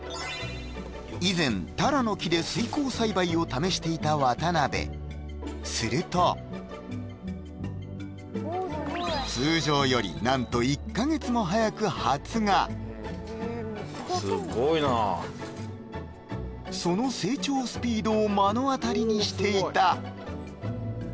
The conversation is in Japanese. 以前タラの木で水耕栽培を試していた渡辺すると何とすごいなその成長スピードを目の当たりにしていた